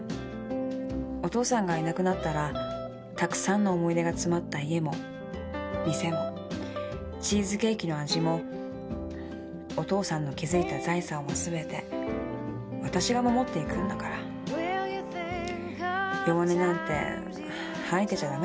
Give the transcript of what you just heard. お父さんがいなくなったらたくさんの思い出が詰まった家も店もチーズケーキの味もお父さんの築いた財産は全て私が守っていくんだから弱音なんて吐いてちゃダメだよね。